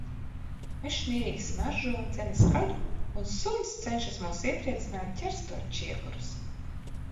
Mežs mierīgi smaržo, dzenis kaļ, un suns cenšas mūs iepriecināt, ķerstot čiekurus.